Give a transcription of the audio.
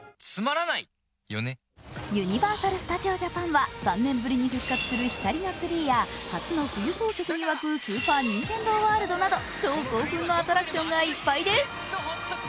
ユニバーサル・スタジオ・ジャパンは３年ぶりに復活する光のツリーや初の冬装束に沸くスーパー・ニンテンドー・ワールドなど超興奮のアトラクションがいっぱいです。